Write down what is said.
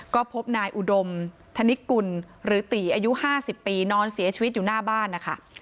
ก็พบนายอุดมธนิกกุลหรือตีอายุ๕๐ปีนอนเสียชีวิตอยู่หน้าบ้านนะคะ